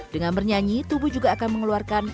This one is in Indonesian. dengan bernyanyi tubuh juga akan mengeluarkan